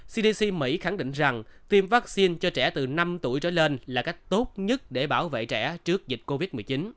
cdc mỹ khẳng định rằng tiêm vaccine cho trẻ từ năm tuổi trở lên là cách tốt nhất để bảo vệ trẻ trước dịch covid một mươi chín